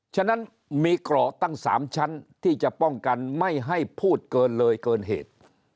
ฉะนั้นมีเกราะตั้ง๓ชั้นที่จะป้องกันไม่ให้พูดเกินเลยเกินเหตุ